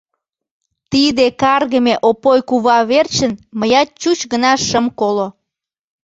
Тиде каргыме Опой кува верчын мыят чуч гына шым коло.